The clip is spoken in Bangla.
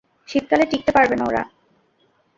শীতকালে টিকতে পারবে না ওরা।